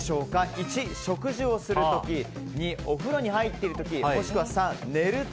１、食事をする時２、お風呂に入っている時３、寝る時。